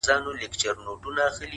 دا ناځوانه نور له كاره دى لوېــدلى _